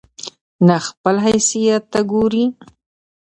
نه خپل حيثت ته وګوري